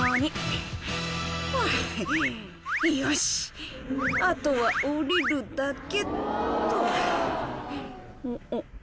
よしあとは下りるだけっと。